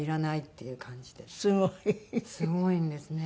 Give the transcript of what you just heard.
すごいんですね。